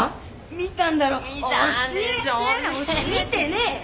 見てねえよ！